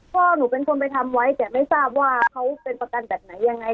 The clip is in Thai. พ่อหนูเป็นคนไปทำไว้แต่ไม่ทราบว่าเขาเป็นประกันแบบไหนยังไง